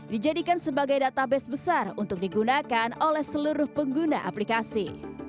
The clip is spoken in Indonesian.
dijadikan sebagai database besar untuk digunakan oleh seluruh pengguna aplikasi